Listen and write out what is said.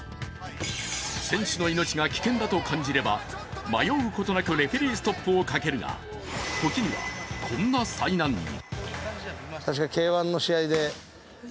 選手の命が危険だと感じれば、迷うことなくレフェリーストップをかけるが、時には、こんな災難に。